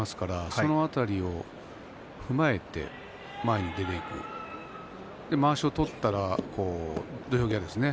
そういったことを踏まえて前にいってまわしを取ったら土俵際ですね